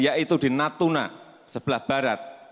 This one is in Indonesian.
yaitu di natuna sebelah barat